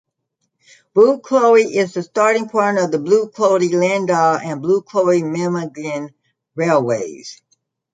Buchloe is the starting point of the Buchloe–Lindau and Buchloe–Memmingen railways.